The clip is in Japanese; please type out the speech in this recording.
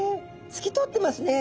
透き通ってますね。